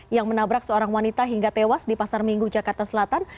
yang menabrak seorang wanita hingga tewas di pasar minggu jakarta selatan